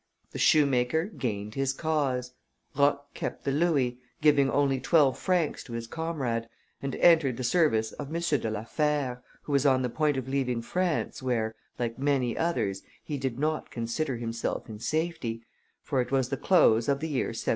The shoemaker gained his cause. Roch kept the louis, giving only twelve francs to his comrade, and entered the service of M. de la Fère, who was on the point of leaving France, where, like many others, he did not consider himself in safety; for it was the close of the year 1792.